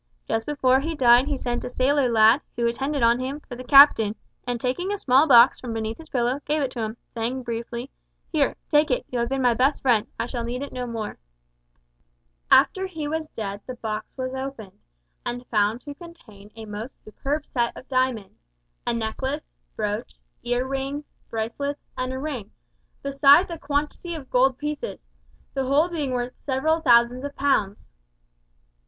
Just before he died he sent a sailor lad who attended on him, for the captain, and, taking a small box from beneath his pillow, gave it to him, saying briefly, `Here, take it, you have been my best friend, I shall need it no more.' "After he was dead the box was opened, and found to contain a most superb set of diamonds a necklace, brooch, ear rings, bracelets, and a ring, besides a quantity of gold pieces, the whole being worth several thousands of pounds.